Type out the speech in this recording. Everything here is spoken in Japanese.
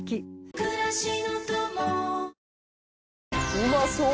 うまそう！